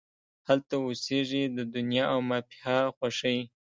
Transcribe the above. هلته اوسیږې د دنیا او مافیها خوښۍ